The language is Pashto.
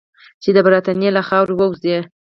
چې د برټانیې له خاورې ووځي.